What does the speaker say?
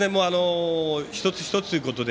一つ一つということで。